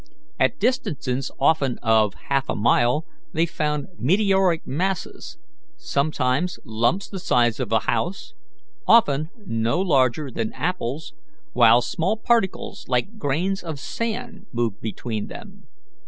At distances often of half a mile they found meteoric masses, sometimes lumps the size of a house, often no larger than apples, while small particles like grains of sand moved between them.